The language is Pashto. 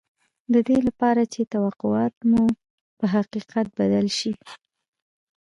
د دې لپاره چې توقعات مو په حقيقت بدل شي.